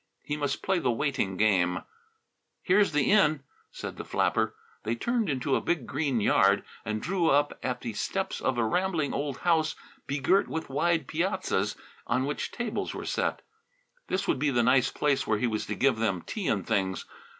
He must play the waiting game. "Here's the inn," said the flapper. They turned into a big green yard and drew up at the steps of a rambling old house begirt with wide piazzas on which tables were set. This would be the nice place where he was to give them tea and things.